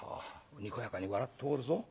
にこやかに笑っておるぞ。